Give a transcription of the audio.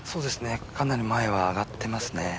かなり前は上がっていますね。